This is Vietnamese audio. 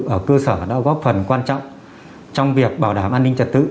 các lực lượng ở cơ sở đã góp phần quan trọng trong việc bảo đảm an ninh trật tự